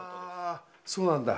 そうなんだ。